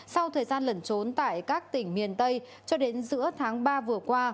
sau thời gian lẩn trốn tại các tỉnh miền tây cho đến giữa tháng ba vừa qua